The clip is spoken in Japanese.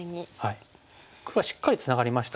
黒はしっかりツナがりました。